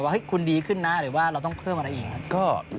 ให้คุณดีขึ้นนะหรือว่าเราต้องเพิ่มอะไรอีกครับ